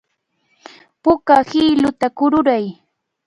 Puka hiluta kururay.